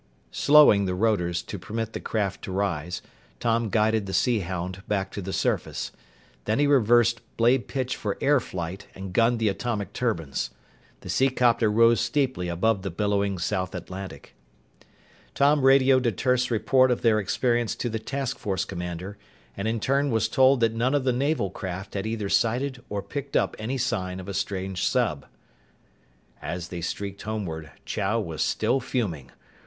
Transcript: Slowing the rotors to permit the craft to rise, Tom guided the Sea Hound back to the surface. Then he reversed blade pitch for air flight and gunned the atomic turbines. The seacopter rose steeply above the billowing South Atlantic. Tom radioed a terse report of their experience to the task force commander and in turn was told that none of the naval craft had either sighted or picked up any sign of a strange sub. As they streaked homeward, Chow was still fuming.